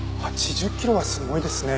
８０キロはすごいですね。